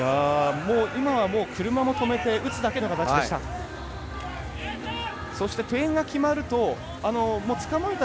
今は車をとめて打つだけの形でした。